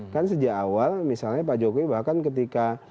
kan sejak awal misalnya pak jokowi bahkan ketika